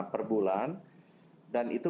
per bulan dan itu